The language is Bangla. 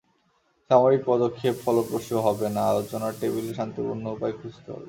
সামরিক পদক্ষেপ ফলপ্রসূ হবে না; আলোচনার টেবিলে শান্তিপূর্ণ উপায় খুঁজতে হবে।